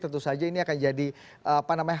tentu saja ini akan jadi apa namanya